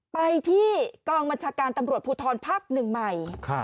ไปที่กองบัญชาการตำรวจภูทรภาคหนึ่งใหม่